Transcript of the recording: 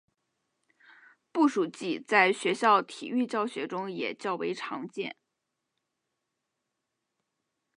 步数计在学校体育教学中也较为常见。